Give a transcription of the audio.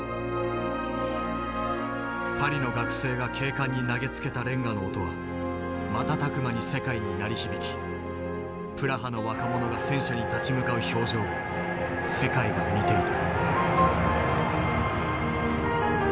パリの学生が警官に投げつけたレンガの音は瞬く間に世界に鳴り響きプラハの若者が戦車に立ち向かう表情を世界が見ていた。